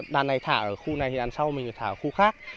đàn này thả ở khu này thì đàn sau mình phải thả ở khu khác